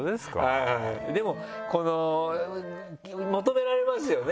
はいでもこの求められますよね。